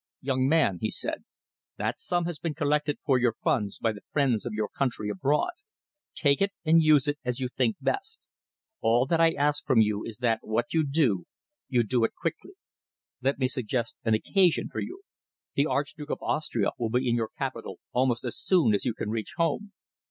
"Young man," he said, "that sum has been collected for your funds by the friends of your country abroad. Take it and use it as you think best. All that I ask from you is that what you do, you do quickly. Let me suggest an occasion for you. The Archduke of Austria will be in your capital almost as soon as you can reach home."